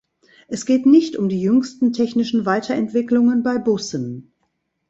Es geht nicht um die jüngsten technischen Weiterentwicklungen bei Bussen.